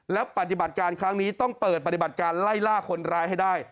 แล้วปฏิบัติการครั้งนี้ต้องเปิดปฏิบัติการไล่ล่าคนร้ายให้ได้